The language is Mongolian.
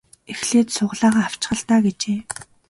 Эхлээд сугалаагаа авчих л даа гэжээ.